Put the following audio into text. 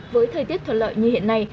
với thời tiết thuận lợi như hiện nay